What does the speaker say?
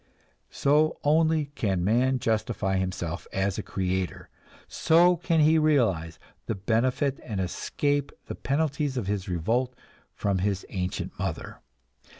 So only can man justify himself as a creator, so can he realize the benefit and escape the penalties of his revolt from his ancient mother.